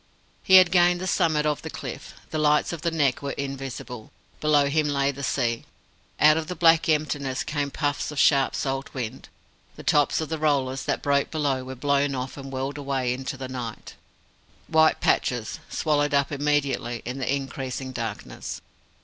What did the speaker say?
He had gained the summit of the cliff. The lights of the Neck were invisible. Below him lay the sea. Out of the black emptiness came puffs of sharp salt wind. The tops of the rollers that broke below were blown off and whirled away into the night white patches, swallowed up immediately in the increasing darkness.